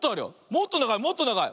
もっとながいもっとながい。